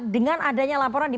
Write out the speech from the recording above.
dengan adanya laporan di